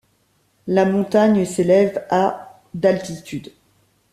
La montagne s'élève à d'altitude.